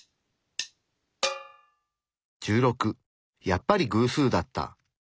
やっぱり偶数だった。